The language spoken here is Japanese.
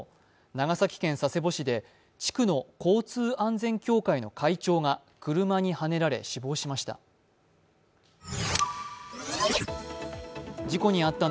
長崎県佐世保市で地区の交通安全協会の会長が車にはねられ死亡しました。